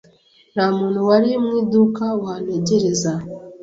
Nta muntu wari mu iduka wantegereza